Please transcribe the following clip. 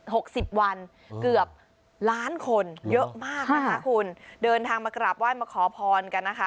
หกสิบวันเกือบล้านคนเยอะมากนะคะคุณเดินทางมากราบไหว้มาขอพรกันนะคะ